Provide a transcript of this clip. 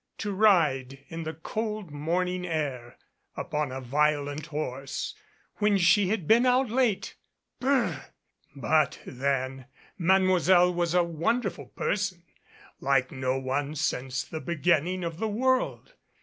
To ride in the cold morning air upon a violent horse when she had been out late ! B r ! But then, Mademoiselle was a wonderful person like no one since the beginning of the world.